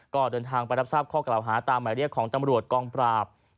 ก็เดินทางไปรับทราบข้อกล่าวหาตามหมายเรียกของตำรวจกองปราบ